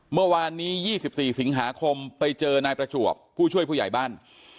เมื่อวานนี้๒๔สิงหาคมไปเจอนายประจวบผู้ช่วยผู้ใหญ่บ้าน